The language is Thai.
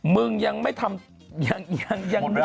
มึงยังไม่ทำ